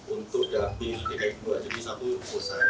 untuk dapi tiga dua jadi satu usai